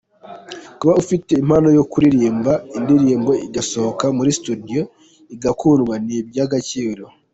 Kuba ufite impano yo kuririmba indirimbo igasohoka muri studio igakundwa ni iby’agaciro.